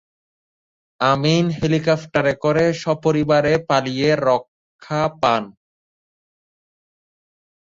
আমিন হেলিকপ্টারে করে সপরিবারে পালিয়ে রক্ষা পান।